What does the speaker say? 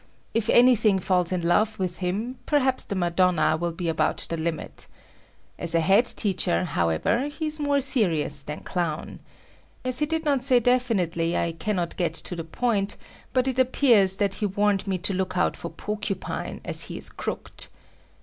If anything falls in love with him, perhaps the Madonna will be about the limit. As a head teacher, however, he is more serious than Clown. As he did not say definitely, I cannot get to the point, but it appears that he warned me to look out for Porcupine as he is crooked.